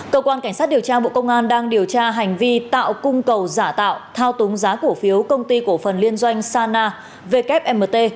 cơ quan cảnh sát điều tra bộ công an đang điều tra hành vi tạo cung cầu giả tạo thao túng giá cổ phiếu công ty cổ phần liên doanh sana wmt